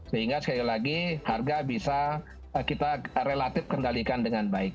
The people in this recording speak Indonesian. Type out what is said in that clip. sehingga sekali lagi harga bisa kita relatif kendalikan dengan baik